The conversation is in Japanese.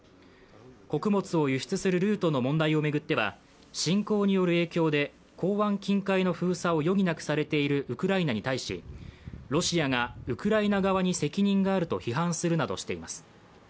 穀物を輸出するルートの問題を巡っては侵攻による影響で港湾近海の封鎖を余儀なくされているウクライナに対しロシアがウクライナ側に責任があると批判するなどしています。